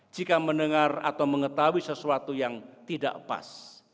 jika mendengar atau mengetahui sesuatu yang tidak pas